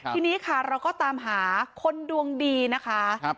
ทีนี้ค่ะเราก็ตามหาคนดวงดีนะคะ